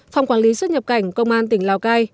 phòng quản lý xuất nhập cảnh công an tỉnh lào cai